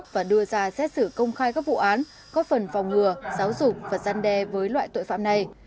và đưa ra xét xử công khai các vụ án có phần phòng ngừa giáo dục và gian đe với loại tội phạm này